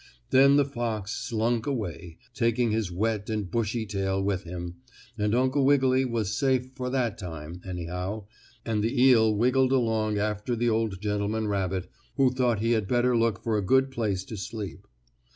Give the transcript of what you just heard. Then the fox slunk away, taking his wet and bushy tail with him, and Uncle Wiggily was safe for that time, anyhow, and the eel wiggled along after the old gentleman rabbit, who thought he had better look for a good place to sleep.